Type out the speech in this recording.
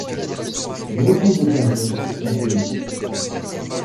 Beaucoup de Carlos sont connus.